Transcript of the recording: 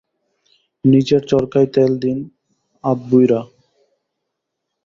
নিজের চরকায় তেল দিন, আধবুইড়া।